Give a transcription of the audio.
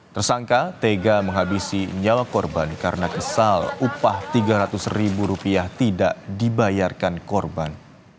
tersangka tega menghabisi nyawa korban karena kesal upah tiga ratus ribu rupiah tidak dibayarkan korban